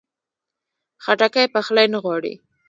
خټکی پخلی نه غواړي.